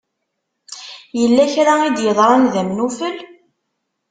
Yella kra i d-yeḍran d amnufel?